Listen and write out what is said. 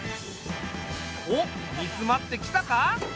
おっ煮詰まってきたか？